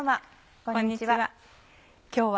こんにちは。